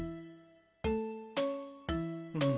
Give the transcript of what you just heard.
うん。